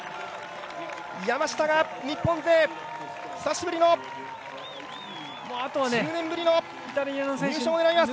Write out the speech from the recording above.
山下が日本勢、久しぶりの１０年ぶりの入賞を狙います。